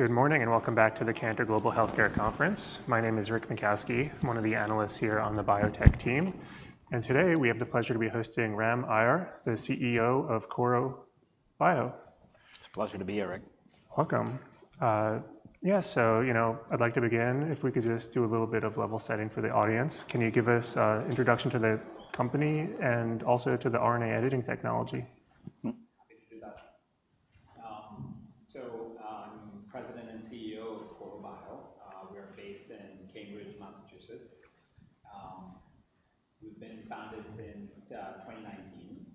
All right. Good morning, and welcome back to the Cantor Global Healthcare Conference. My name is Rick Makowski. I'm one of the analysts here on the biotech team, and today we have the pleasure to be hosting Ram Aiyer, the CEO of Korro Bio. It's a pleasure to be here, Rick. Welcome. Yeah, so, you know, I'd like to begin, if we could just do a little bit of level setting for the audience. Can you give us introduction to the company and also to the RNA editing technology? Happy to do that. So, I'm President and CEO of Korro Bio. We are based in Cambridge, Massachusetts. We've been founded since 2019.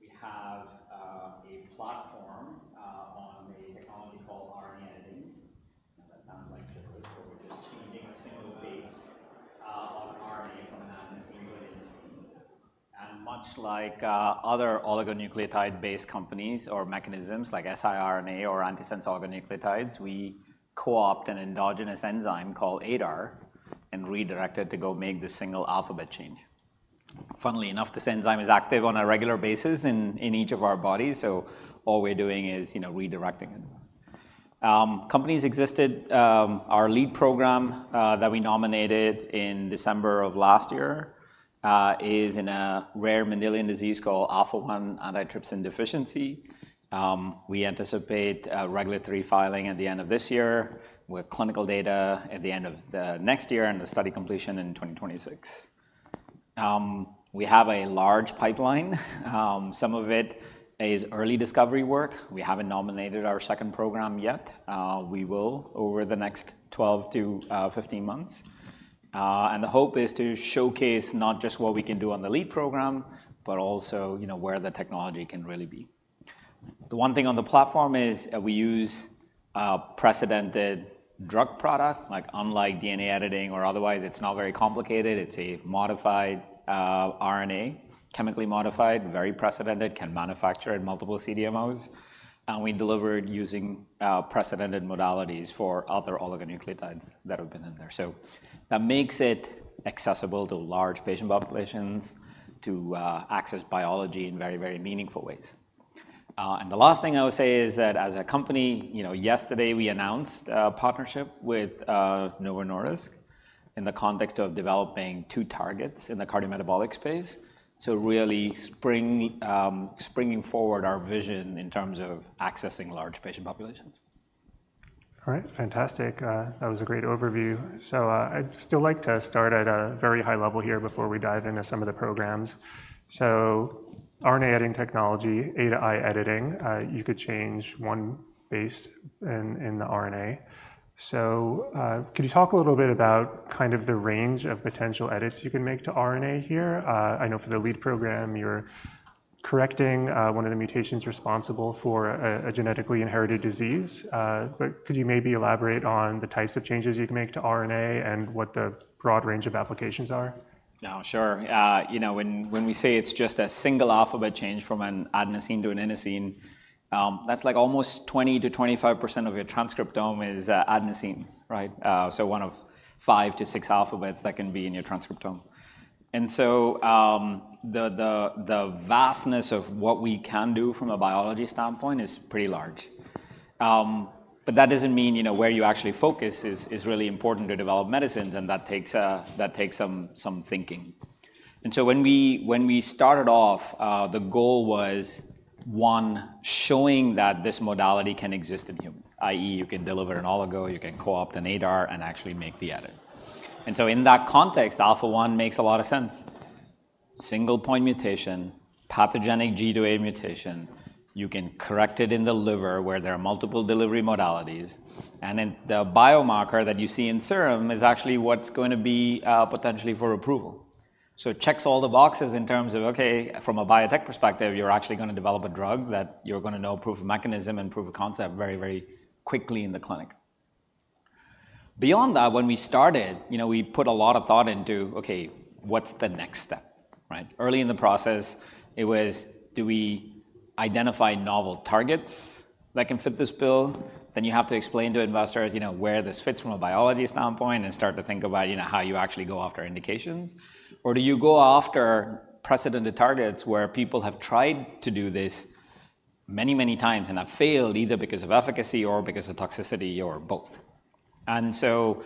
We have a platform on a technology called RNA editing, and that sounds like gibberish, but we're just changing a single base on RNA from an adenosine to inosine. And much like other oligonucleotide-based companies or mechanisms like siRNA or antisense oligonucleotides, we co-opt an endogenous enzyme called ADAR and redirect it to go make the single alphabet change. Funnily enough, this enzyme is active on a regular basis in each of our bodies, so all we're doing is, you know, redirecting it. Our lead program that we nominated in December of last year is in a rare Mendelian disease called alpha-1 antitrypsin deficiency. We anticipate a regulatory filing at the end of this year, with clinical data at the end of the next year and the study completion in 2026. We have a large pipeline. Some of it is early discovery work. We haven't nominated our second program yet. We will over the next 12 to 15 months, and the hope is to showcase not just what we can do on the lead program, but also, you know, where the technology can really be. The one thing on the platform is, we use precedented drug product, like, unlike DNA editing or otherwise, it's not very complicated. It's a modified RNA, chemically modified, very precedented, can manufacture in multiple CDMOs, and we deliver it using precedented modalities for other oligonucleotides that have been in there. So that makes it accessible to large patient populations to access biology in very, very meaningful ways. And the last thing I would say is that, as a company, you know, yesterday, we announced a partnership with Novo Nordisk in the context of developing two targets in the cardiometabolic space, so really springing forward our vision in terms of accessing large patient populations. All right. Fantastic. That was a great overview, so I'd still like to start at a very high level here before we dive into some of the programs. So RNA editing technology, ADAR editing, you could change one base in the RNA, so could you talk a little bit about kind of the range of potential edits you can make to RNA here? I know for the lead program, you're correcting one of the mutations responsible for a genetically inherited disease, but could you maybe elaborate on the types of changes you can make to RNA and what the broad range of applications are? Oh, sure. You know, when we say it's just a single alphabet change from an adenosine to an inosine, that's like almost 20-25% of your transcriptome is adenosine, right? So one of 5-6 alphabets that can be in your transcriptome. And so, the vastness of what we can do from a biology standpoint is pretty large. But that doesn't mean, you know, where you actually focus is really important to develop medicines, and that takes some thinking. And so when we started off, the goal was, one, showing that this modality can exist in humans, i.e., you can deliver an oligo, you can co-opt an ADAR and actually make the edit. And so in that context, alpha-1 makes a lot of sense. Single point mutation, pathogenic G to A mutation, you can correct it in the liver, where there are multiple delivery modalities, and in the biomarker that you see in serum is actually what's going to be, potentially for approval. So it checks all the boxes in terms of, okay, from a biotech perspective, you're actually gonna develop a drug that you're gonna know proof of mechanism and proof of concept very, very quickly in the clinic. Beyond that, when we started, you know, we put a lot of thought into, okay, what's the next step, right? early in the process, it was, do we identify novel targets that can fit this bill? Then you have to explain to investors, you know, where this fits from a biology standpoint and start to think about, you know, how you actually go after indications. Or do you go after precedented targets, where people have tried to do this many, many times and have failed, either because of efficacy or because of toxicity or both? And so,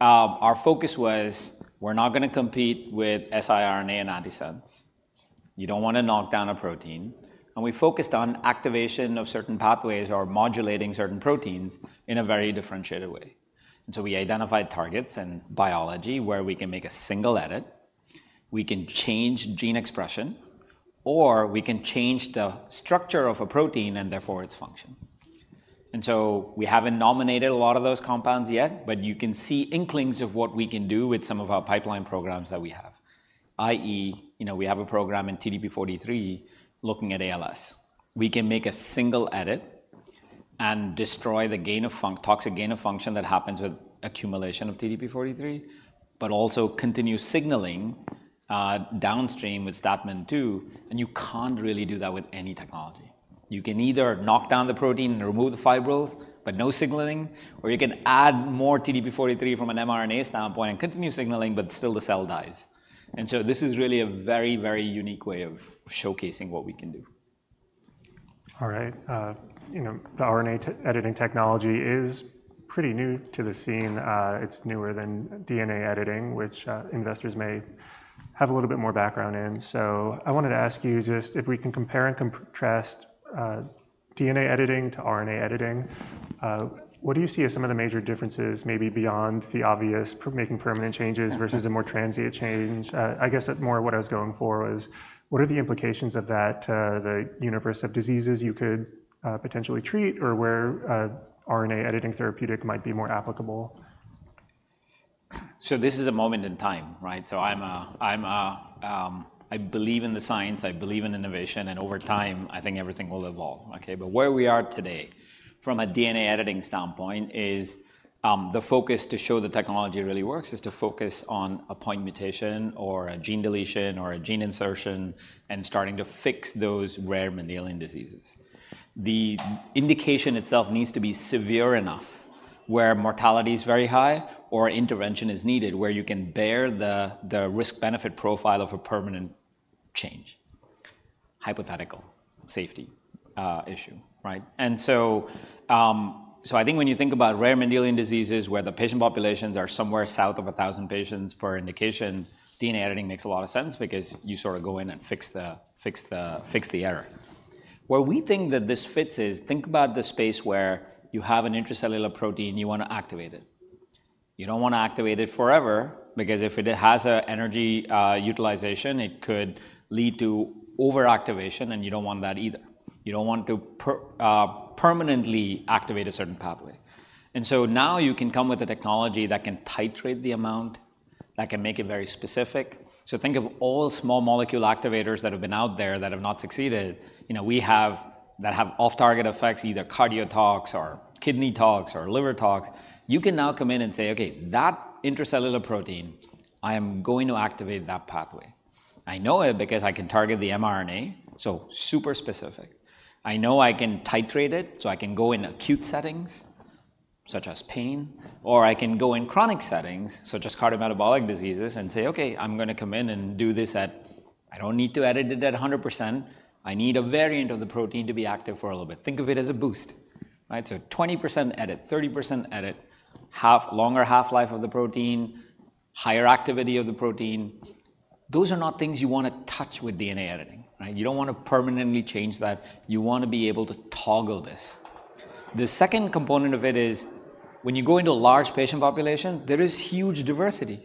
our focus was, we're not gonna compete with siRNA and antisense. You don't want to knock down a protein, and we focused on activation of certain pathways or modulating certain proteins in a very differentiated way. And so we identified targets and Biology where we can make a single edit, we can change gene expression, or we can change the structure of a protein and therefore its function. And so we haven't nominated a lot of those compounds yet, but you can see inklings of what we can do with some of our pipeline programs that we have, i.e., you know, we have a program in TDP-43 looking at ALS. We can make a single edit and destroy the toxic gain of function that happens with accumulation of TDP-43, but also continue signaling downstream with stathmin-2, and you can't really do that with any technology. You can either knock down the protein and remove the fibrils but no signaling, or you can add more TDP-43 from an mRNA standpoint and continue signaling, but still the cell dies. And so this is really a very, very unique way of showcasing what we can do. All right, you know, the RNA editing technology is pretty new to the scene. It's newer than DNA editing, which investors may have a little bit more background in. So I wanted to ask you just if we can compare and contrast DNA editing to RNA editing. What do you see as some of the major differences, maybe beyond the obvious, making permanent changes versus a more transient change? I guess more what I was going for was, what are the implications of that to the universe of diseases you could potentially treat or where an RNA editing therapeutic might be more applicable? So this is a moment in time, right? So I believe in the science, I believe in innovation, and over time, I think everything will evolve, okay? But where we are today, from a DNA editing standpoint, is the focus to show the technology really works is to focus on a point mutation or a gene deletion or a gene insertion, and starting to fix those rare Mendelian diseases. The indication itself needs to be severe enough, where mortality is very high, or intervention is needed, where you can bear the risk-benefit profile of a permanent change. Hypothetical safety issue, right? I think when you think about rare Mendelian diseases, where the patient populations are somewhere south of a thousand patients per indication, DNA editing makes a lot of sense because you sort of go in and fix the error. Where we think that this fits is, think about the space where you have an intracellular protein, you want to activate it. You don't want to activate it forever, because if it has an energy utilization, it could lead to overactivation, and you don't want that either. You don't want to permanently activate a certain pathway. Now you can come with a technology that can titrate the amount, that can make it very specific. Think of all small molecule activators that have been out there that have not succeeded. You know, we have... that have off-target effects, either cardiotox or kidney tox or liver tox. You can now come in and say, "Okay, that intracellular protein, I am going to activate that pathway. I know it because I can target the mRNA," so super specific. "I know I can titrate it, so I can go in acute settings, such as pain, or I can go in chronic settings, such as cardiometabolic diseases, and say, 'Okay, I'm gonna come in and do this at... I don't need to edit it at 100%. I need a variant of the protein to be active for a little bit.'" Think of it as a boost, right? So 20% edit, 30% edit, half longer half-life of the protein, higher activity of the protein. Those are not things you want to touch with DNA editing, right? You don't want to permanently change that. You want to be able to toggle this. The second component of it is, when you go into a large patient population, there is huge diversity.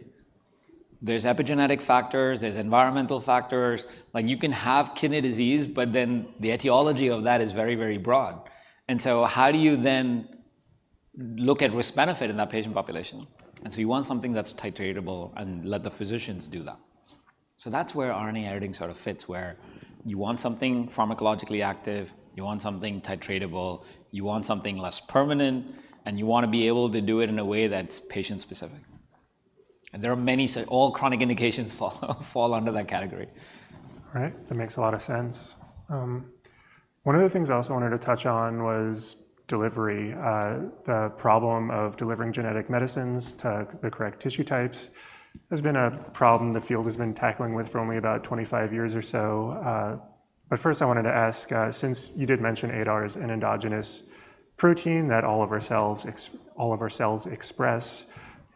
There's epigenetic factors, there's environmental factors. Like, you can have kidney disease, but then the etiology of that is very, very broad. And so how do you then look at risk-benefit in that patient population? And so you want something that's titratable and let the physicians do that. So that's where RNA editing sort of fits, where you want something pharmacologically active, you want something titratable, you want something less permanent, and you want to be able to do it in a way that's patient specific. And there are many, all chronic indications fall under that category. Right. That makes a lot of sense. One of the things I also wanted to touch on was delivery. The problem of delivering genetic medicines to the correct tissue types has been a problem the field has been tackling with for only about 25 years or so. But first I wanted to ask, since you did mention ADAR as an endogenous protein that all of our cells express,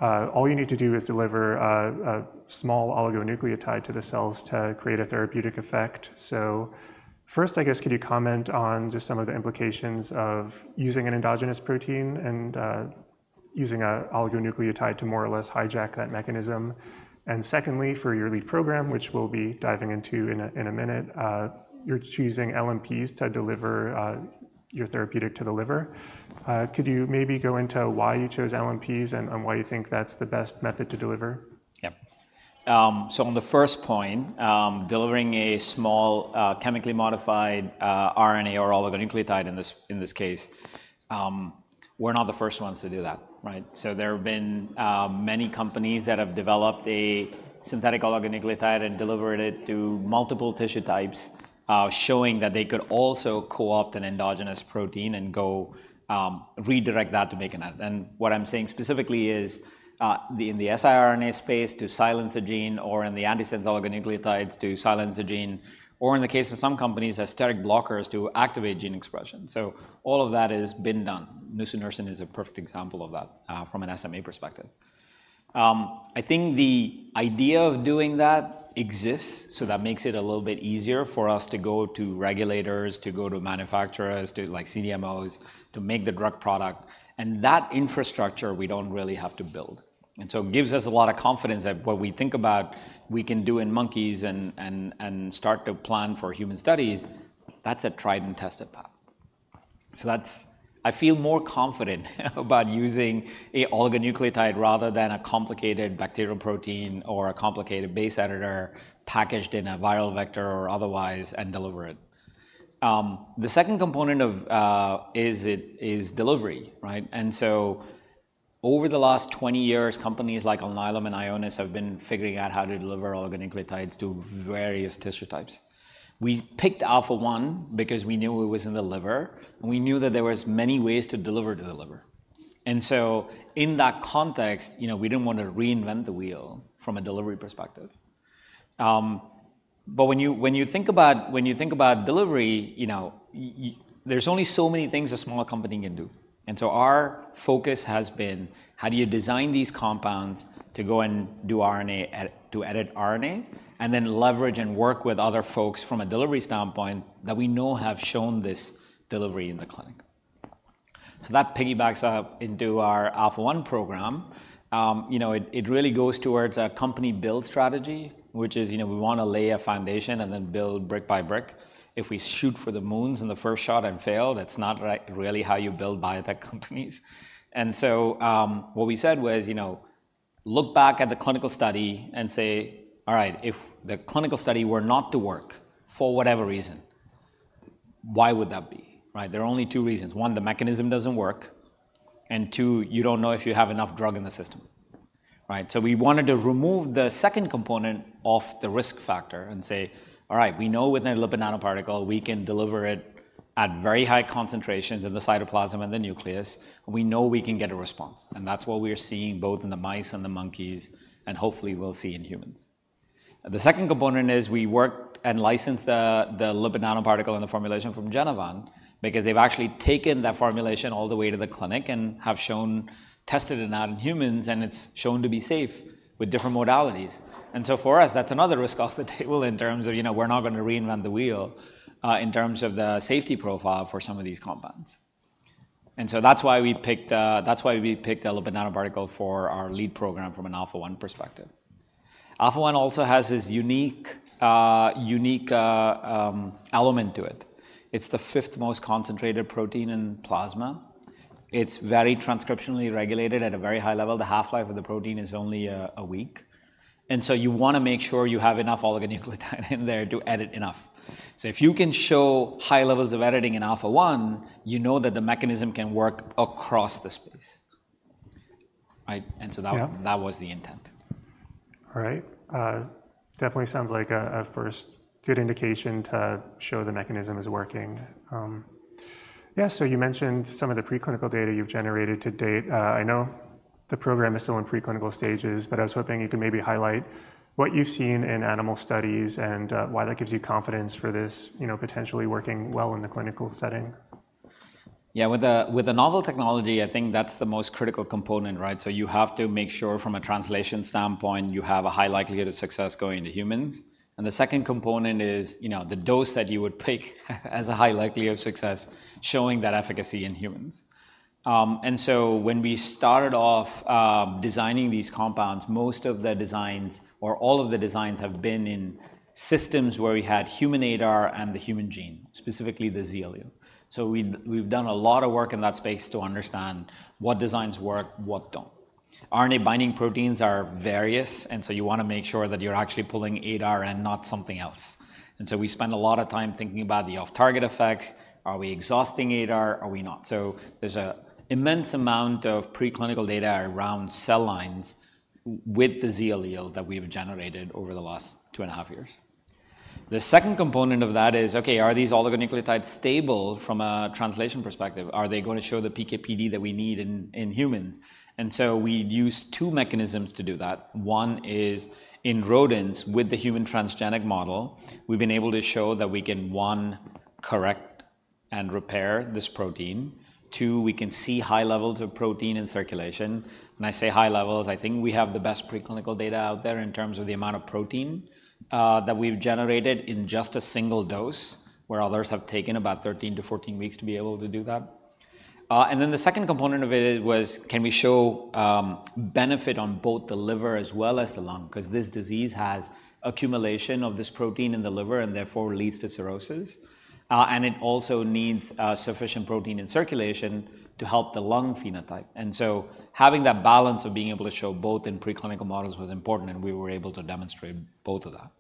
all you need to do is deliver a small oligonucleotide to the cells to create a therapeutic effect. So first, I guess, could you comment on just some of the implications of using an endogenous protein and using a oligonucleotide to more or less hijack that mechanism? Secondly, for your lead program, which we'll be diving into in a minute, you're choosing LNPs to deliver your therapeutic to the liver. Could you maybe go into why you chose LNPs and why you think that's the best method to deliver? Yep. So on the first point, delivering a small, chemically modified, RNA or oligonucleotide in this case, we're not the first ones to do that, right? So there have been many companies that have developed a synthetic oligonucleotide and delivered it to multiple tissue types, showing that they could also co-opt an endogenous protein and go, redirect that to make an edit. And what I'm saying specifically is, in the siRNA space, to silence a gene or in the antisense oligonucleotides to silence a gene, or in the case of some companies, steric blockers to activate gene expression, so all of that has been done. Nusinersen is a perfect example of that, from an SMA perspective. I think the idea of doing that exists, so that makes it a little bit easier for us to go to regulators, to go to manufacturers, to, like CDMOs, to make the drug product. And that infrastructure, we don't really have to build. And so it gives us a lot of confidence that what we think about, we can do in monkeys and start to plan for human studies, that's a tried and tested path. So that's. I feel more confident about using a oligonucleotide, rather than a complicated bacterial protein or a complicated base editor packaged in a viral vector or otherwise, and deliver it. The second component of is delivery, right? And so over the last twenty years, companies like Alnylam and Ionis have been figuring out how to deliver oligonucleotides to various tissue types. We picked Alpha-1 because we knew it was in the liver, and we knew that there was many ways to deliver to the liver. And so in that context, you know, we didn't want to reinvent the wheel from a delivery perspective. But when you think about delivery, you know, there's only so many things a smaller company can do. And so our focus has been: how do you design these compounds to go and do RNA editing to edit RNA, and then leverage and work with other folks from a delivery standpoint that we know have shown this delivery in the clinic? So that piggybacks up into our Alpha-1 program. You know, it really goes towards a company build strategy, which is, you know, we want to lay a foundation and then build brick by brick. If we shoot for the moons in the first shot and fail, that's not really how you build biotech companies. And so, what we said was, you know, look back at the clinical study and say, "All right, if the clinical study were not to work, for whatever reason, why would that be," right? There are only two reasons: one, the mechanism doesn't work, and two, you don't know if you have enough drug in the system, right? So we wanted to remove the second component off the risk factor and say, "All right, we know with a lipid nanoparticle, we can deliver it at very high concentrations in the cytoplasm and the nucleus, and we know we can get a response." And that's what we are seeing both in the mice and the monkeys, and hopefully we'll see in humans. The second component is, we worked and licensed the lipid nanoparticle and the formulation from Genevant, because they've actually taken that formulation all the way to the clinic and have shown tested it now in humans, and it's shown to be safe with different modalities. And so for us, that's another risk off the table in terms of, you know, we're not gonna reinvent the wheel in terms of the safety profile for some of these compounds. And so that's why we picked the lipid nanoparticle for our lead program from an Alpha-1 perspective. Alpha-1 also has this unique element to it. It's the fifth most concentrated protein in plasma. It's very transcriptionally regulated at a very high level. The half-life of the protein is only a week, and so you wanna make sure you have enough oligonucleotide in there to edit enough. So if you can show high levels of editing in Alpha-1, you know that the mechanism can work across the space. Right, and so that- Yeah. That was the intent. All right. Definitely sounds like a first good indication to show the mechanism is working. Yeah, so you mentioned some of the preclinical data you've generated to date. I know the program is still in preclinical stages, but I was hoping you could maybe highlight what you've seen in animal studies and why that gives you confidence for this, you know, potentially working well in the clinical setting. Yeah, with a novel technology, I think that's the most critical component, right? So you have to make sure from a translation standpoint, you have a high likelihood of success going into humans. And the second component is, you know, the dose that you would pick as a high likelihood of success, showing that efficacy in humans. And so when we started off, designing these compounds, most of the designs or all of the designs have been in systems where we had human ADAR and the human gene, specifically the Z allele. So we've done a lot of work in that space to understand what designs work, what don't. RNA-binding proteins are various, and so you wanna make sure that you're actually pulling ADAR and not something else. And so we spend a lot of time thinking about the off-target effects. Are we exhausting ADAR? Are we not? So there's an immense amount of preclinical data around cell lines with the Z allele that we've generated over the last two and a half years. The second component of that is, okay, are these oligonucleotides stable from a translation perspective? Are they going to show the PK/PD that we need in humans? And so we used two mechanisms to do that. One is in rodents with the human transgenic model, we've been able to show that we can, one, correct and repair this protein. Two, we can see high levels of protein in circulation. When I say high levels, I think we have the best preclinical data out there in terms of the amount of protein that we've generated in just a single dose, where others have taken about 13-14 weeks to be able to do that. And then the second component of it was, can we show benefit on both the liver as well as the lung? 'Cause this disease has accumulation of this protein in the liver, and therefore leads to cirrhosis, and it also needs sufficient protein in circulation to help the lung phenotype. And so having that balance of being able to show both in preclinical models was important, and we were able to demonstrate both of that.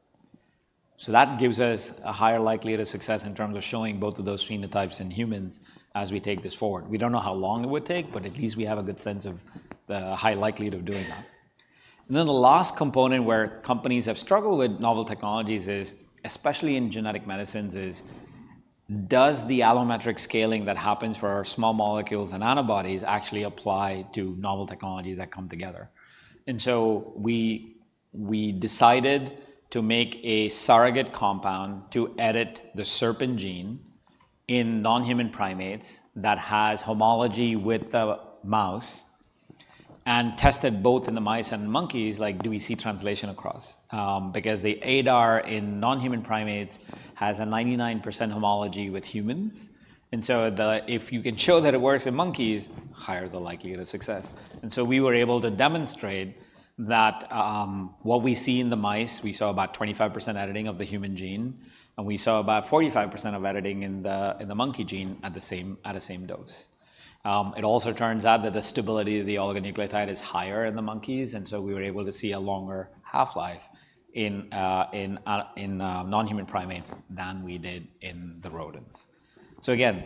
So that gives us a higher likelihood of success in terms of showing both of those phenotypes in humans as we take this forward. We don't know how long it would take, but at least we have a good sense of the high likelihood of doing that. The last component where companies have struggled with novel technologies is, especially in genetic medicines, is: does the allometric scaling that happens for our small molecules and antibodies actually apply to novel technologies that come together? And so we decided to make a surrogate compound to edit the serpin gene in non-human primates that has homology with the mouse, and test it both in the mice and monkeys, like, do we see translation across? Because the ADAR in non-human primates has a 99% homology with humans, and so if you can show that it works in monkeys, the higher the likelihood of success. And so we were able to demonstrate that, what we see in the mice, we saw about 25% editing of the human gene, and we saw about 45% editing in the monkey gene at the same dose. It also turns out that the stability of the oligonucleotide is higher in the monkeys, and so we were able to see a longer half-life in non-human primates than we did in the rodents. So again,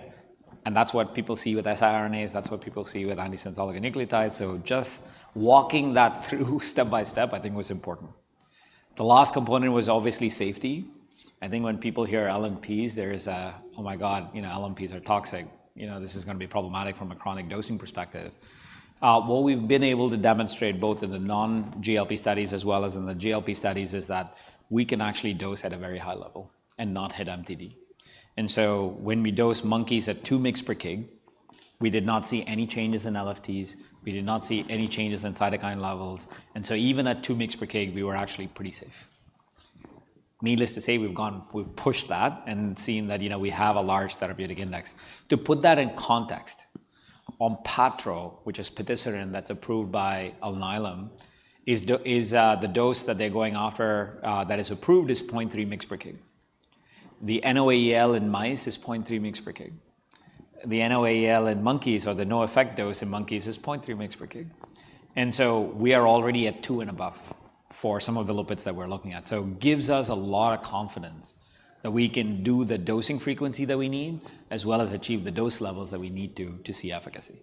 and that's what people see with siRNAs, that's what people see with antisense oligonucleotides, so just walking that through step by step, I think was important. The last component was obviously safety. I think when people hear LNPs, there is a "Oh my God, you know, LNPs are toxic. You know, this is gonna be problematic from a chronic dosing perspective." What we've been able to demonstrate, both in the non-GLP studies as well as in the GLP studies, is that we can actually dose at a very high level and not hit MTD. And so when we dosed monkeys at 2 mg per kg, we did not see any changes in LFTs, we did not see any changes in cytokine levels, and so even at 2 mg per kg, we were actually pretty safe. Needless to say, we've pushed that and seen that, you know, we have a large therapeutic index. To put that in context, onpattro, which is patisiran, that's approved by Alnylam, is the dose that they're going after, that is approved, is 0.3 mg per kg. The NOAEL in mice is 0.3 mg per kg. The NOAEL in monkeys or the no effect dose in monkeys is 0.3 mg per kg, and so we are already at two and above for some of the lipids that we're looking at, so it gives us a lot of confidence that we can do the dosing frequency that we need, as well as achieve the dose levels that we need to, to see efficacy.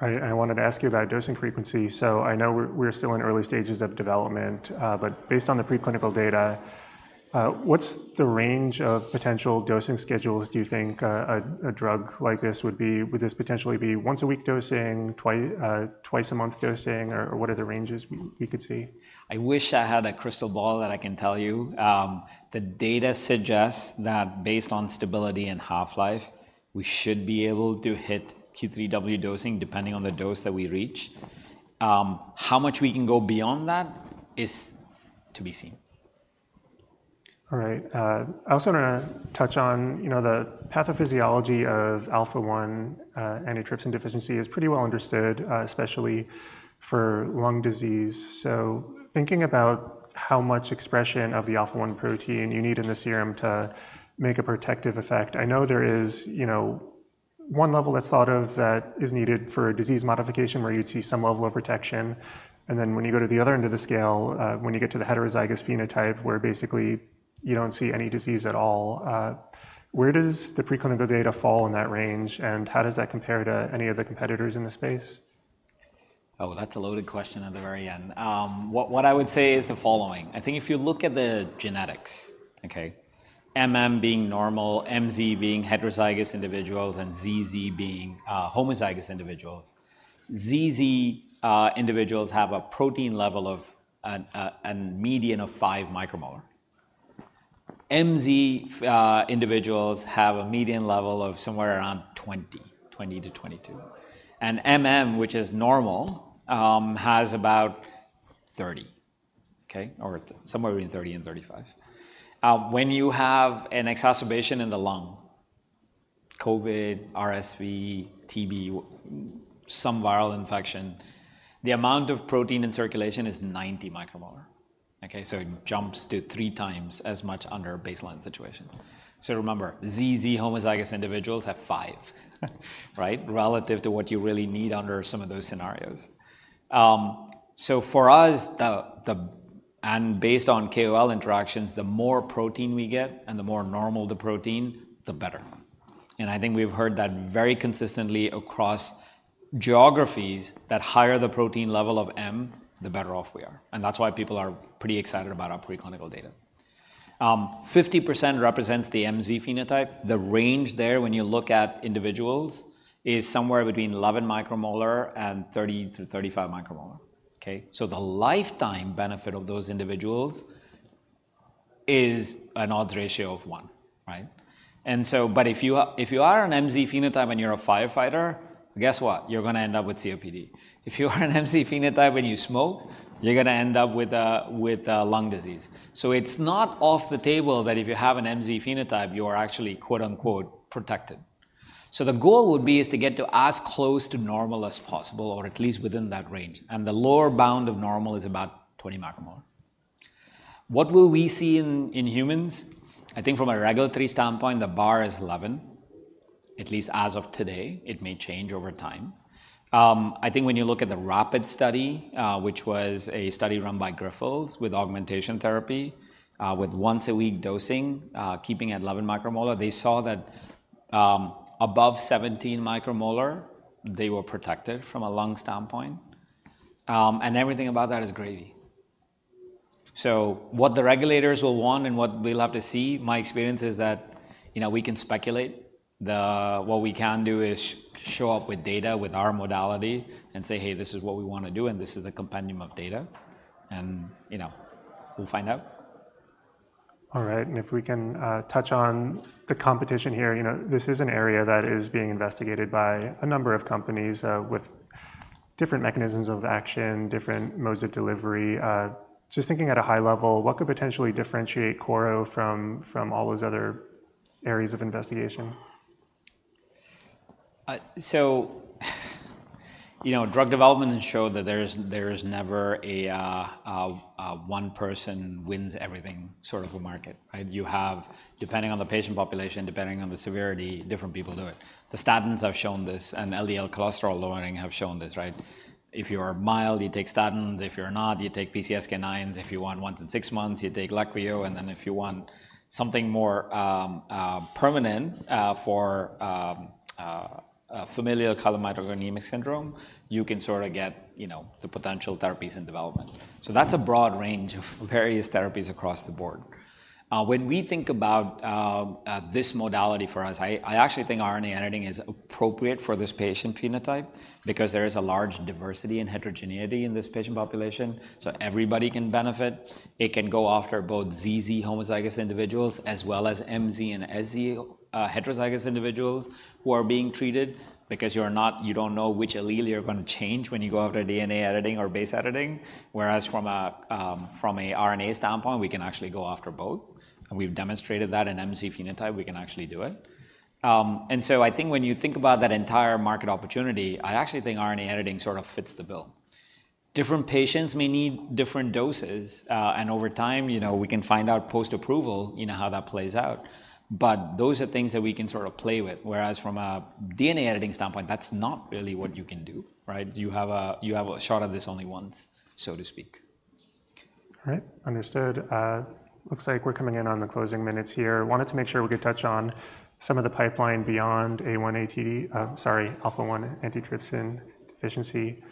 All right, I wanted to ask you about dosing frequency. So I know we're still in early stages of development, but based on the preclinical data, what's the range of potential dosing schedules do you think a drug like this would be? Would this potentially be once-a-week dosing, twice-a-month dosing, or what are the ranges we could see? I wish I had a crystal ball that I can tell you. The data suggests that based on stability, and half-life, we should be able to hit Q3W dosing, depending on the dose that we reach. How much we can go beyond that is to be seen. All right. I also want to touch on, you know, the pathophysiology of alpha-1 antitrypsin deficiency is pretty well understood, especially for lung disease. So thinking about how much expression of the alpha-1 protein you need in the serum to make a protective effect, I know there is, you know, one level that's thought of that is needed for a disease modification, where you'd see some level of protection, and then when you go to the other end of the scale, when you get to the heterozygous phenotype, where basically you don't see any disease at all. Where does the preclinical data fall in that range, and how does that compare to any of the competitors in the space? Oh, that's a loaded question at the very end. What I would say is the following: I think if you look at the genetics, okay? MM being normal, MZ being heterozygous individuals, and ZZ being homozygous individuals. ZZ individuals have a protein level of a median of five micromolar. MZ individuals have a median level of somewhere around 20-22, and MM, which is normal, has about 30, okay? Or somewhere between 30 and 35. When you have an exacerbation in the lung, COVID, RSV, TB, some viral infection, the amount of protein in circulation is 90 micromolar, okay? So it jumps to three times as much under a baseline situation. So remember, ZZ homozygous individuals have five, right? Relative to what you really need under some of those scenarios. So for us, the... And based on KOL interactions, the more protein we get and the more normal the protein, the better. And I think we've heard that very consistently across geographies, that higher the protein level of M, the better off we are, and that's why people are pretty excited about our preclinical data. 50% represents the MZ phenotype. The range there, when you look at individuals, is somewhere between 11 micromolar and 30 to 35 micromolar, okay? So the lifetime benefit of those individuals is an odds ratio of one, right? And so, but if you are an MZ phenotype, and you're a firefighter, guess what? You're gonna end up with COPD. If you are an MZ phenotype, and you smoke, you're gonna end up with lung disease. So it's not off the table that if you have an MZ phenotype, you are actually, quote-unquote, protected. So the goal would be is to get to as close to normal as possible or at least within that range, and the lower bound of normal is about twenty micromolar. What will we see in humans? I think from a regulatory standpoint, the bar is eleven, at least as of today. It may change over time. I think when you look at the RAPID study, which was a study run by Grifols with augmentation therapy, with once-a-week dosing, keeping it at eleven micromolar, they saw that, above seventeen micromolar, they were protected from a lung standpoint, and everything about that is gravy. So what the regulators will want and what we'll have to see, my experience is that, you know, we can speculate. What we can do is show up with data, with our modality and say, "Hey, this is what we want to do, and this is the compendium of data," and, you know, we'll find out. All right, and if we can touch on the competition here. You know, this is an area that is being investigated by a number of companies with different mechanisms of action, different modes of delivery. Just thinking at a high level, what could potentially differentiate Korro from all those other areas of investigation? ... so you know, drug development has showed that there's never a one person wins everything sort of a market, right? You have, depending on the patient population, depending on the severity, different people do it. The statins have shown this, and LDL cholesterol lowering have shown this, right? If you are mild, you take statins, if you're not, you take PCSK9. If you want once in six months, you take Leqvio, and then if you want something more permanent for familial chylomicronemic syndrome, you can sort of get, you know, the potential therapies in development. So that's a broad range of various therapies across the board. When we think about this modality for us, I actually think RNA editing is appropriate for this patient phenotype because there is a large diversity and heterogeneity in this patient population, so everybody can benefit. It can go after both ZZ homozygous individuals, as well as MZ and ZS heterozygous individuals who are being treated, because you don't know which allele you're gonna change when you go after DNA editing or base editing. Whereas from a RNA standpoint, we can actually go after both, and we've demonstrated that in MZ phenotype, we can actually do it. And so I think when you think about that entire market opportunity, I actually think RNA editing sort of fits the bill. Different patients may need different doses, and over time, you know, we can find out post-approval, you know, how that plays out, but those are things that we can sort of play with, whereas from a DNA editing standpoint, that's not really what you can do, right? You have a shot at this only once, so to speak. All right. Understood. Looks like we're coming in on the closing minutes here. Wanted to make sure we could touch on some of the pipeline beyond AATTD, sorry, alpha-1 antitrypsin deficiency.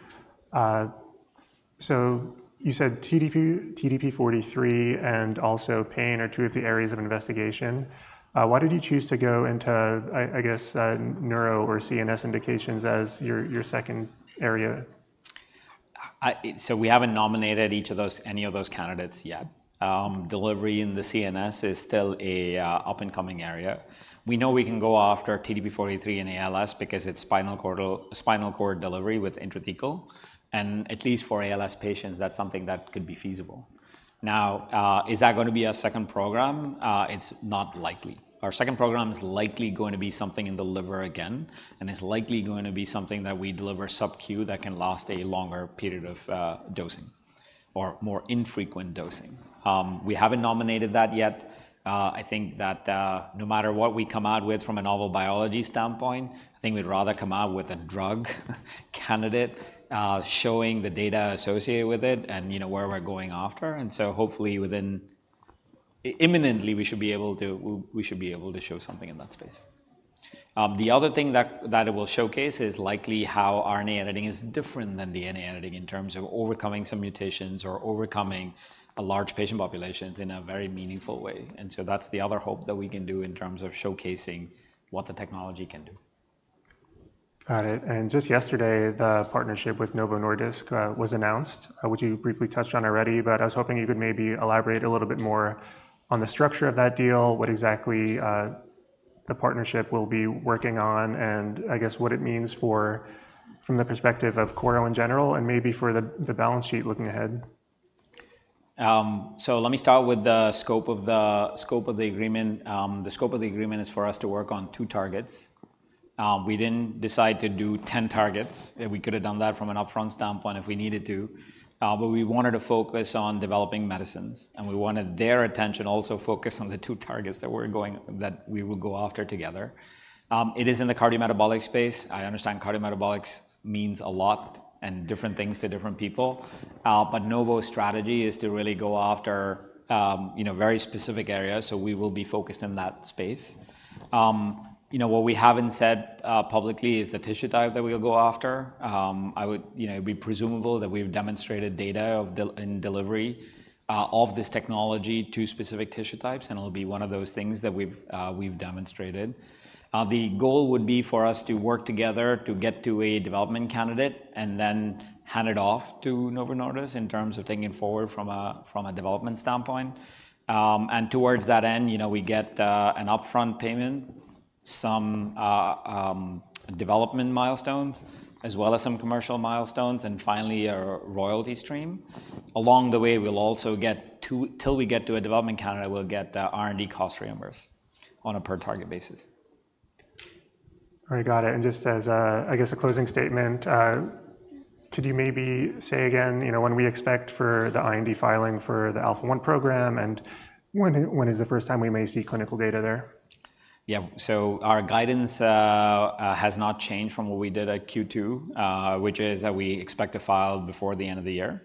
So you said TDP, TDP-43, and also pain are two of the areas of investigation. Why did you choose to go into, I guess, neuro or CNS indications as your second area? So we haven't nominated any of those candidates yet. Delivery in the CNS is still a up-and-coming area. We know we can go after TDP-43 and ALS because it's spinal cord delivery with intrathecal, and at least for ALS patients, that's something that could be feasible. Now, is that gonna be our second program? It's not likely. Our second program is likely going to be something in the liver again, and it's likely going to be something that we deliver subQ that can last a longer period of dosing or more infrequent dosing. We haven't nominated that yet. I think that, no matter what we come out with from a novel biology standpoint, I think we'd rather come out with a drug candidate, showing the data associated with it and, you know, where we're going after. So hopefully imminently, we should be able to show something in that space. The other thing that it will showcase is likely how RNA editing is different than DNA editing in terms of overcoming some mutations or overcoming a large patient populations in a very meaningful way, and so that's the other hope that we can do in terms of showcasing what the technology can do. Got it, and just yesterday, the partnership with Novo Nordisk was announced, which you briefly touched on already, but I was hoping you could maybe elaborate a little bit more on the structure of that deal, what exactly the partnership will be working on, and I guess what it means for, from the perspective of Korro in general, and maybe for the balance sheet looking ahead. So let me start with the scope of the agreement. The scope of the agreement is for us to work on two targets. We didn't decide to do 10 targets. We could have done that from an upfront standpoint if we needed to, but we wanted to focus on developing medicines, and we wanted their attention also focused on the two targets that we would go after together. It is in the cardiometabolic space. I understand cardiometabolic means a lot and different things to different people, but Novo's strategy is to really go after, you know, very specific areas, so we will be focused in that space. You know, what we haven't said publicly is the tissue type that we'll go after. You know, it'd be presumable that we've demonstrated data on delivery of this technology to specific tissue types, and it'll be one of those things that we've demonstrated. The goal would be for us to work together to get to a development candidate and then hand it off to Novo Nordisk in terms of taking it forward from a development standpoint, and towards that end, you know, we get an upfront payment, some development milestones, as well as some commercial milestones, and finally, a royalty stream. Along the way, we'll also get, till we get to a development candidate, we'll get R&D cost reimbursed on a per-target basis. All right. Got it. And just as a, I guess, a closing statement, could you maybe say again, you know, when we expect for the IND filing for the alpha-1 program, and when, when is the first time we may see clinical data there? Yeah. So our guidance has not changed from what we did at Q2, which is that we expect to file before the end of the year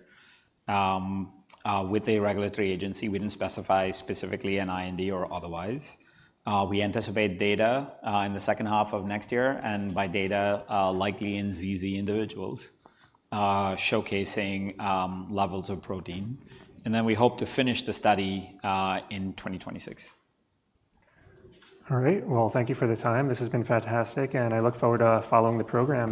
with a regulatory agency. We didn't specify specifically an IND or otherwise. We anticipate data in the second half of next year, and by data, likely in ZZ individuals, showcasing levels of protein. And then we hope to finish the study in 2026. All right. Well, thank you for the time. This has been fantastic, and I look forward to following the program.